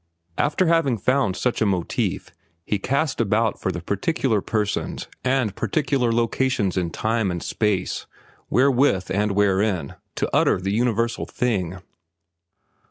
After having found such a motif, he cast about for the particular persons and particular location in time and space wherewith and wherein to utter the universal thing.